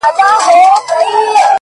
دلته گډا ده دلته ډول دی دلته ټوله ناڅي